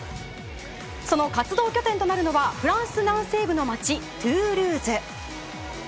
その活動拠点となるのはフランス南西部の街トゥールーズ。